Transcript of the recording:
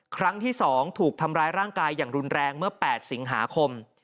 ครั้งที่๒ถูกทำร้ายร่างกายอย่างรุนแรงเมื่อ๘สิงหาคม